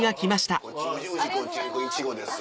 宇治こっちイチゴです。